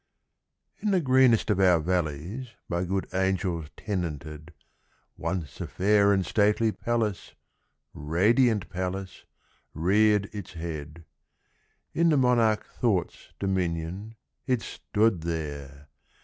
In the greenest of our valleys By good angels tenanted, Once a fair and stately palace Radiant palace reared its head. In the monarch Thought's dominion It stood there!